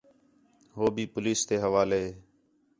ہو بھی پولیس تے حوالے